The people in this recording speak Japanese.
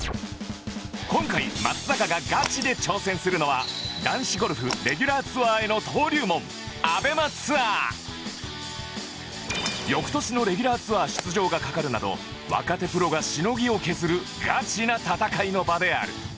今回松坂がガチで挑戦するのは男子ゴルフレギュラーツアーへの登竜門翌年のレギュラーツアー出場が懸かるなど若手プロがしのぎを削るガチな戦いの場である